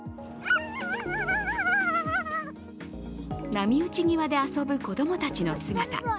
波打ち際で遊ぶ子供たちの姿。